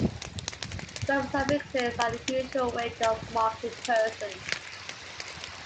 Verb suffixes are the usual way of marking person.